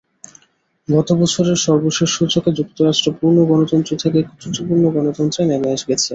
গত বছরের সর্বশেষ সূচকে যুক্তরাষ্ট্র পূর্ণ গণতন্ত্র থেকে ত্রুটিপূর্ণ গণতন্ত্রে নেমে গেছে।